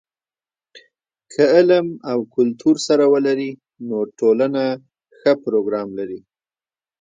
که علم او کلتور سره ولري، نو ټولنه ښه پروګرام لري.